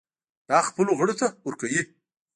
دا خپلو غړو ته ورکوي.